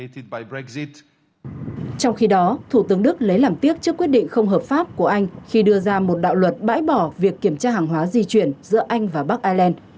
trong khi đó thủ tướng đức lấy làm tiếc trước quyết định không hợp pháp của anh khi đưa ra một đạo luật bãi bỏ việc kiểm tra hàng hóa di chuyển giữa anh và bắc ireland